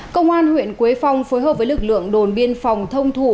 công an huyện quế phong phối hợp với lực lượng đồn biên phòng thông thủ